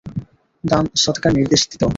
দান সদকার নির্দেশ দিত।